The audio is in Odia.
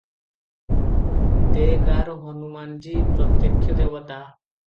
ଦେ ଗାଁର ହନୁମାନ୍ ଜୀ ପ୍ରତ୍ୟକ୍ଷ ଦେବତା ।